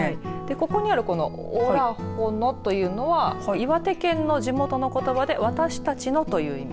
ここにあるオラホのというのは岩手県の地元のことばで私たちのという意味。